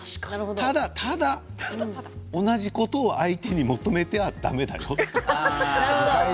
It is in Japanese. ただただ、同じことを相手に求めては、だめだよと。